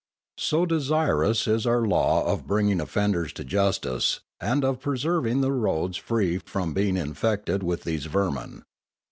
_ _So desirous is our Law of bringing offenders to Justice, and of preserving the roads free from being infested with these vermin.